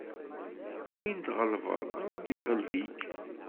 Win tɣelbeḍ, Ṛebbi iɣleb-ik.